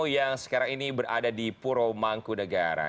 yang sekarang ini berada di purwomangkudegaran